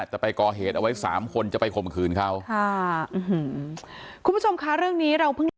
แต่ไปก่อเหตุเอาไว้สามคนจะไปข่มขืนเขาค่ะคุณผู้ชมค่ะเรื่องนี้เราเพิ่งเล่า